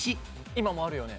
今もあるよね？